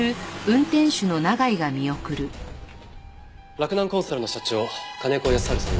洛南コンサルの社長金子康晴さんの供述では。